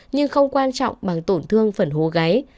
nhưng không quan trọng bằng tổn thương phần hố gáy